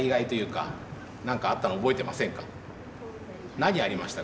何ありましたか？